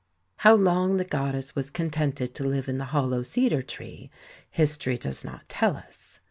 How long the goddess was contented to live in the hollow cedar tree, history does not tell us.